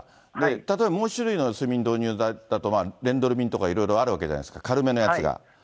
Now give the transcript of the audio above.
例えばもう１種類の睡眠導入剤だと、レンドルミンとかいろいろあるわけじゃないですか、軽めのやつが。